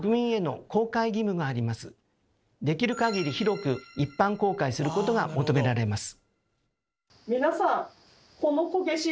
できるかぎり広く一般公開することが求められます。